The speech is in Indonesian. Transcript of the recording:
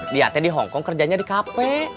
dia di hongkong kerjanya di kp